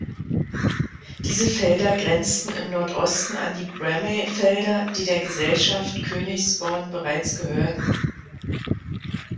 Diese Felder grenzten im Nordosten an die Bramey-Felder, die der Gesellschaft Königsborn bereits gehörten.